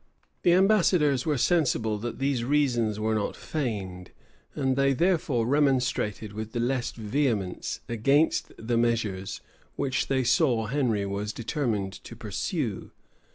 The ambassadors were sensible that these reasons were no feigned; and they therefore remonstrated with the less vehemence against the measures which, they saw, Henry was determined to pursue.